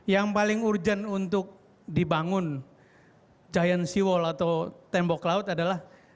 yang paling urgent untuk dibangun giant sea wall atau tembok laut adalah